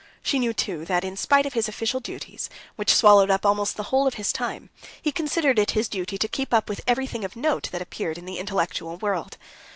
She knew, too, that in spite of his official duties, which swallowed up almost the whole of his time, he considered it his duty to keep up with everything of note that appeared in the intellectual world.